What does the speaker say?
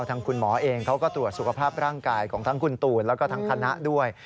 ทางคุณหมอเองเขาก็ตรวจสุขภาพร่างกายของทั้งคุณตูนแล้วก็ทั้งคณะด้วย